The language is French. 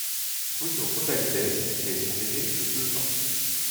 Bruno Podalydès est son aîné de deux ans.